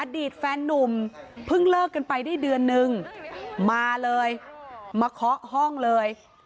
อดีตแฟนนุ่มเพิ่งเลิกกันไปได้เดือนนึงมาเลยมาเคาะห้องเลย